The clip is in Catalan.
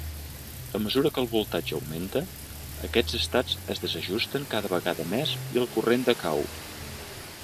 A mesura que el voltatge augmenta, aquests estats es desajusten cada vegada més i el corrent decau.